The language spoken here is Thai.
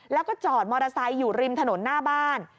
แล้วก็จอดมอเตอร์ไซค์อยู่ริมถนนหน้าบ้าน